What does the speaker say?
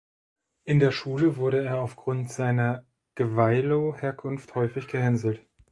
In der Schule wurde er auf Grund seiner Gweilo-Herkunft häufig gehänselt.